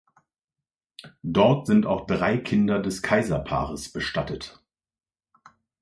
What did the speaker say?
Dort sind auch drei Kinder des Kaiserpaares bestattet.